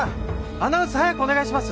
アナウンス早くお願いします